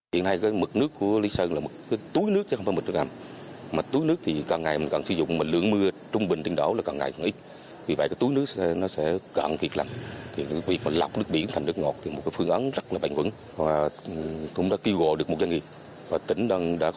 điều này làm tăng nguy cơ xâm nhập mặn cạn kiệt nguồn nước